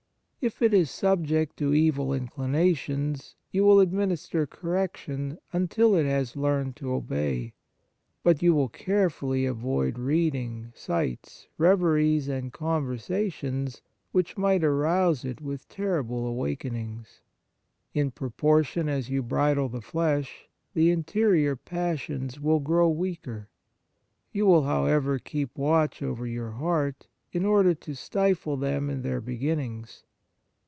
If it is subject to evil inclinations, you will administer correction until it has learned to obey ; but you will care fully avoid reading, sights, reveries and conversation, which might arouse * Rom. vii. 24. I Rom. vii. 25 ; 2 Cor. xii. 9. J 1 Cor. ix. 27. 79 On Piety it with terrible awakenings. In pro portion as you bridle the flesh, the interior passions will grow weaker. You will, however, keep watch over your heart, in order to stifle them in their beginnings.